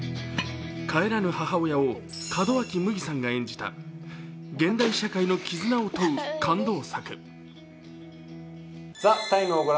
帰らぬ母親を門脇麦さんが演じた現代社会の絆を問う感動作。